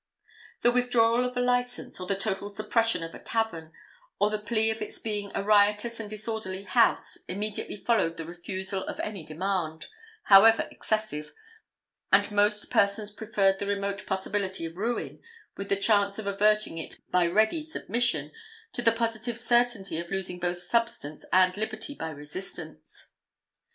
The withdrawal of a license, or the total suppression of a tavern, on the plea of its being a riotous and disorderly house, immediately followed the refusal of any demand, however excessive; and most persons preferred the remote possibility of ruin, with the chance of averting it by ready submission, to the positive certainty of losing both substance and liberty by resistance.